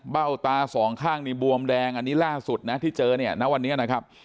เบ้าตาสองข้างในบวมแดงอันนี้ล่าสุดที่เจอนะวันนี้นะครับ